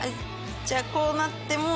じゃあこうなっても。